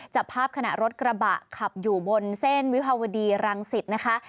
จับภาพขณะรถกระบะขับอยู่บนเส้นวิภาวดีรังสิตนะคะ